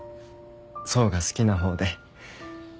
想が好きな方で。